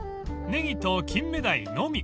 ネギとキンメダイのみ］